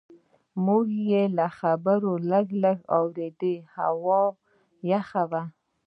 موږ یې خبرې لږ لږ اورېدلې، هوا یخه وه.